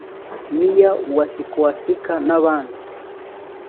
Mia Wasikowska n’abandi